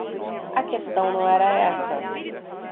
A questão não era essa.